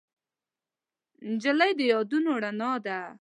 نجلۍ د یادونو رڼا ده.